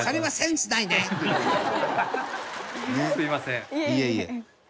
いえいえ。